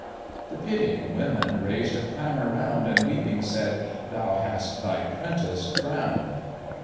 The pitying women raised a clamour round, And weeping said, "Thou hast thy 'prentice drown'd."